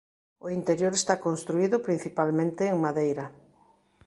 O interior está construído principalmente en madeira.